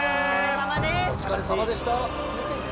お疲れさまでした。